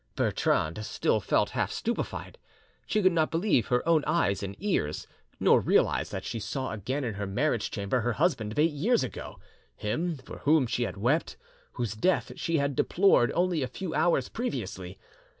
Bertrande still felt half stupefied; she could not believe her own eyes and ears, nor realise that she saw again in her marriage chamber her husband of eight years ago, him for whom she had wept; whose death she had deplored only a few hours previously.